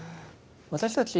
私たち